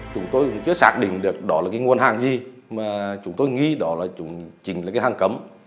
đó là cái nguồn hàng gì mà chúng tôi nghĩ đó là trình là cái hàng cấm